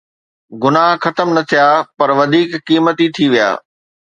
گناهه ختم نه ٿيا پر وڌيڪ قيمتي ٿي ويا.